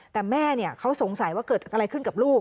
แต่แม่เขาสงสัยว่าเกิดอะไรขึ้นกับลูก